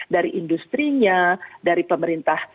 dari industrinya dari pemerintah